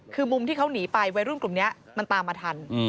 คือมุมที่เขาหนีไปวัยรุ่นกลุ่มนี้มันตามมาทัน